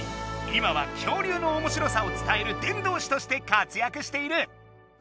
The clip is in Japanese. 今は恐竜のおもしろさを伝える伝道師として活やくしている。